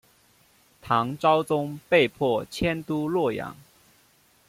唐昭宗被迫迁都洛阳。